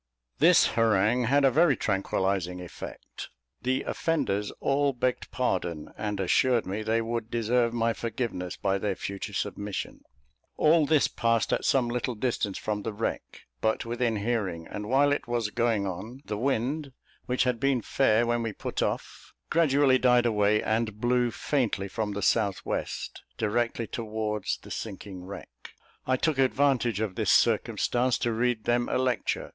This harangue had a very tranquillising effect. The offenders all begged pardon, and assured me they would deserve my forgiveness by their future submission. All this passed at some little distance from the wreck, but within hearing; and while it was going on, the wind, which had been fair when we put off, gradually died away, and blew faintly from the south west, directly towards the sinking wreck. I took advantage of this circumstance to read them a lecture.